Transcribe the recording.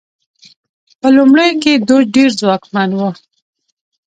په لومړیو کې دوج ډېر ځواکمن و.